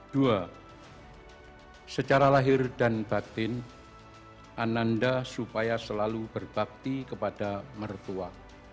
dua secara lahir dan batin ananda supaya selalu berbakti kepada mertua